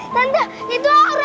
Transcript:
tante itu aura